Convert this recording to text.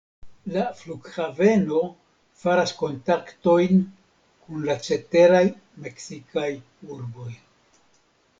La flughaveno faras kontaktojn kun la ceteraj meksikaj urboj.